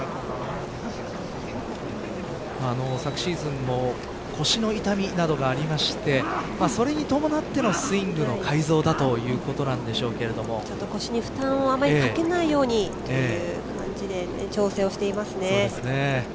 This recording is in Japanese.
昨シーズンも腰の痛みなどがありましてそれに伴ってのスイングの改造だということ腰に負担をあまりかけないようにという感じで調整をしていますね。